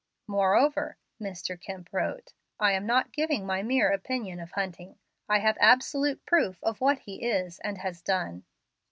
"Moreover," Mr. Kemp wrote, "I am not giving my mere opinion of Hunting. I have absolute proof of what he is and has done."